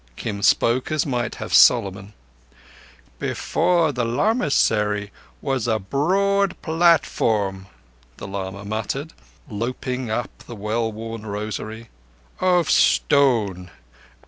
Kim spoke as might have Solomon. "Before the lamassery was a broad platform," the lama muttered, looping up the well worn rosary, "of stone.